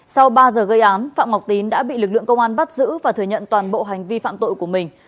sau ba giờ gây án phạm ngọc tín đã bị lực lượng công an bắt giữ và thừa nhận toàn bộ hành vi phạm tội của mình